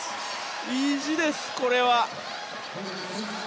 意地です、これは。